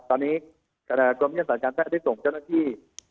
ตอนนี้กรมยังศาลการณ์ศาสตร์ได้ส่งเจ้าหน้าที่